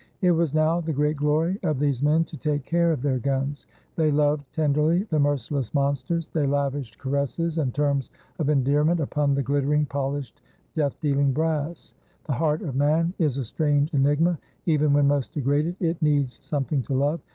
It was now the great glory of these men to take care of their guns. They loved, tenderly, the merciless monsters. They lavished caresses and terms of endearment upon the glittering, poHshed, death deaHng brass. The heart of man is a strange enigma. Even when most degraded, it needs something to love.